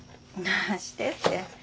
なしてって。